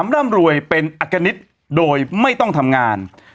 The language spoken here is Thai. ร่ำรวยเป็นอักกณิตโดยไม่ต้องทำงาน